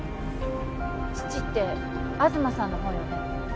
父って東さんのほうよね？